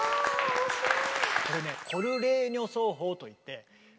面白い。